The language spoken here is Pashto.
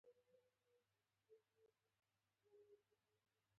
څومره, څوړه، کڅوړه